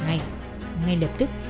ngay lập tức